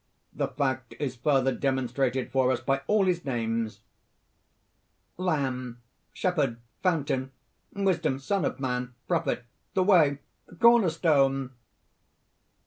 The fact is further demonstrated for us by all his names: lamb, shepherd, fountain, wisdom, son of man, prophet; the way, the corner stone!"